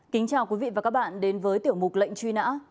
kính chào quý vị và các bạn đến với tiểu mục lệnh truy nã